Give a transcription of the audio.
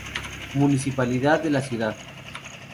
Municipalidad de la ciudad.